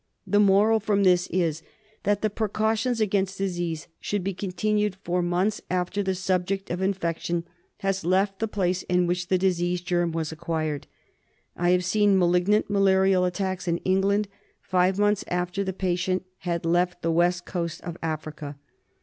The moral from this is that the precautions against disease should be continued for months after the subject of infection has left the place in which the disease germ was acquired. I have seen malignant malarial attacks in England five months after the patient had left the West Coast of Africa.